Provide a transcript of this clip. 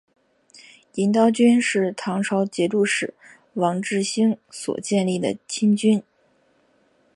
银刀军是唐朝节度使王智兴所建立的亲军。